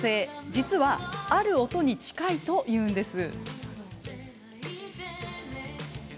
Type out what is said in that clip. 実は、ある音に近いというんです。